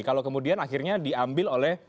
kalau kemudian akhirnya diambil oleh